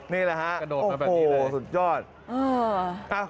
นี่แหละค่ะโอ้โหสุดยอด